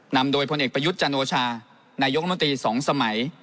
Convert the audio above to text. นำโดยพลเอกประยุทธ์จันโอชานายกรมนตรี๒สมัย